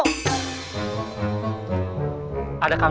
gak ada apa apa